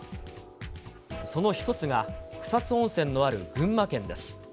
その一つが草津温泉のある群馬県です。